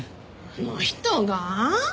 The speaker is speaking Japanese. あの人が？